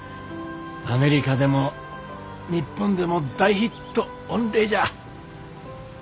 アメリカでも日本でも大ヒット御礼じゃ。